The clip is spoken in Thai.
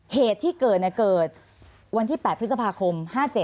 เหตุที่เกิดเกิดวันที่๘พฤษภาคม๕๗